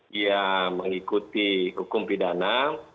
dia mengikuti hukum pidana